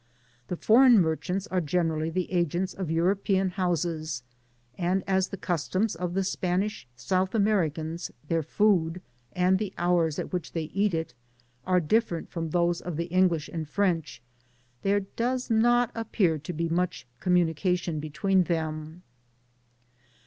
The foreign merchants are generally the agents of European houses; and as the customs of the Spanish South Americans, their food, and the hours at which they eat it, are different from those of the English and French, there does not appear to be much commu nication between them.